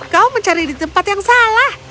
kau mencari di tempat yang salah